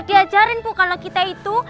diajarin bu kalau kita itu